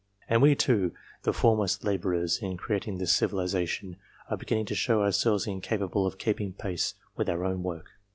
And we too, the foremost labourers in creating this civilization, are beginning to show ourselves incapable of keeping pace with our own work.